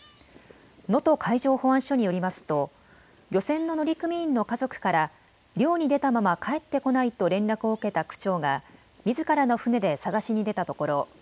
能登海上保安署によりますと漁船の乗組員の家族から漁に出たまま帰ってこないと連絡を受けた区長がみずからの船で捜しに出たところ